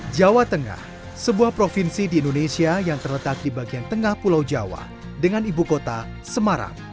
jawa tengah sebuah provinsi di indonesia yang terletak di bagian tengah pulau jawa dengan ibu kota semarang